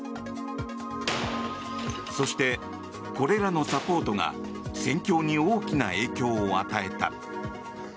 そして、これらのサポートが戦況に大きな影響を与えた。